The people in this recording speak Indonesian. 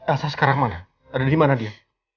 asal sekarang mana ada di mana dia